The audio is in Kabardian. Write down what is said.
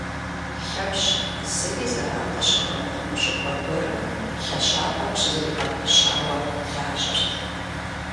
Лъэпщ зыри зэран къыщыхуэмыхъуну щӏыпӏэ гуэрым лъэщапӏэ къыщызэригъэпэщауэ лажьэрт.